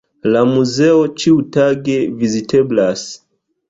La muzeo ĉiutage viziteblas.